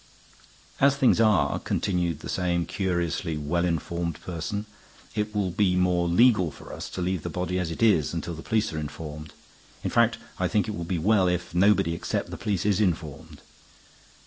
"As things are," continued the same curiously well informed person, "it will be more legal for us to leave the body as it is until the police are informed. In fact, I think it will be well if nobody except the police is informed.